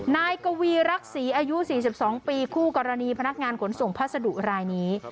นายกวีรักษีอายุ๔๒ปีคู่กรณีพนักงานขนส่งพัสดุรายนี้